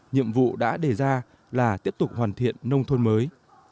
nhiệm vụ đã đề ra là tiếp tục hoàn thiện nông thôn mới